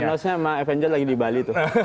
plusnya sama avenger lagi di bali tuh